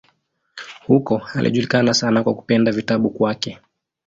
Huko alijulikana sana kwa kupenda vitabu kwake.